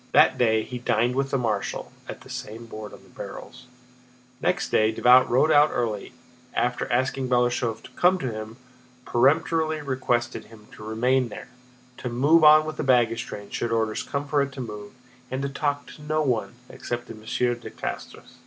That day he dined with the marshal, at the same board on the barrels. Next day Davout rode out early and, after asking Balashëv to come to him, peremptorily requested him to remain there, to move on with the baggage train should orders come for it to move, and to talk to no one except Monsieur de Castrès.